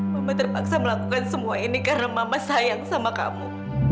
mama terpaksa melakukan semua ini karena mama sayang sama kamu